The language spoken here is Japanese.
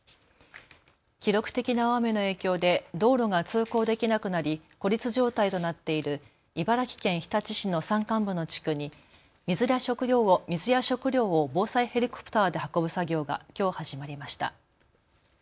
記録的な大雨の影響で道路が通行できなくなり孤立状態となっている茨城県日立市の山間部の地区に水や食料を防災ヘリコプターで運ぶ作業がきょう始まりました。